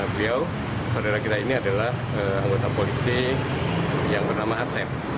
beliau saudara kita ini adalah anggota polisi yang bernama asep